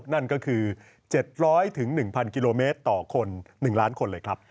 นั่นก็คือ๗๐๐๑๐๐กิโลเมตรต่อคน๑ล้านคนเลยครับ